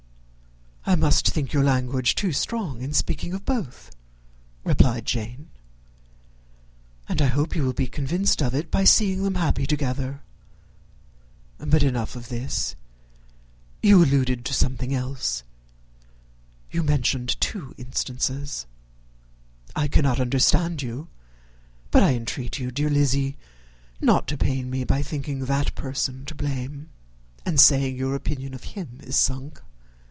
"I must think your language too strong in speaking of both," replied Jane; "and I hope you will be convinced of it, by seeing them happy together. But enough of this. You alluded to something else. You mentioned two instances. I cannot misunderstand you, but I entreat you, dear Lizzy, not to pain me by thinking that person to blame, and saying your opinion of him is sunk.